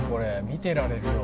見てられるよ」